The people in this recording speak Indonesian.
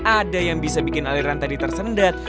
ada yang bisa bikin aliran tadi tersendat